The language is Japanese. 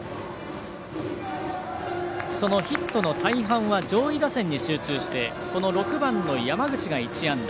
そのヒットの大半は上位打線に集中して６番の山口が１安打。